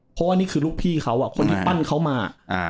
เพราะว่านี่คือลูกพี่เขาคนที่ปั้นเขามา